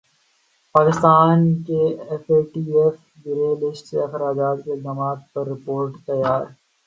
پاکستان کے F A T F grey list سے اخراج کیلئے اقدامات پر رپورٹ تیار